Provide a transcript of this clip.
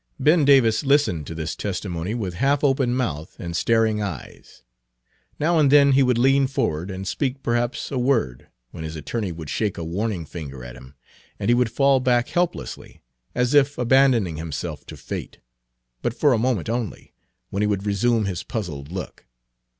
Ben Davis listened to this testimony with half open mouth and staring eyes. Now and then he would lean forward and speak perhaps a word, when his attorney would shake a warning finger at him, and he would fall back helplessly, as if abandoning himself to fate; but for a moment only, when he would resume his puzzled look.